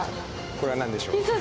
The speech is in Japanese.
これは何でしょう。